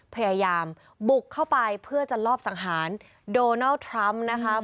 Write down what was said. พยายามบุกเข้าไปเพื่อจะลอบสังหารโดนัลด์ทรัมป์นะคะ